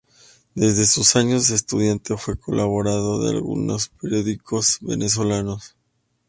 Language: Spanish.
Desde sus años de estudiante fue colaboradora de algunos periódicos venezolanos.